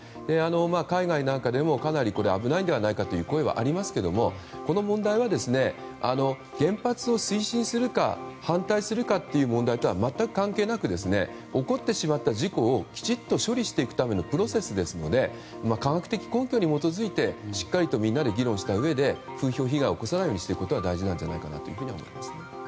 海外なんかでもこれはかなり危ないのではないかという声がありますがこの問題は原発を推進するか反対するかという問題とは全く関係なく起こってしまった事故をきちっと処理していくためのプロセスですので科学的根拠に基づいてしっかりとみんなで議論したうえで風評被害を起こさないようにしていくことが大事だと思います。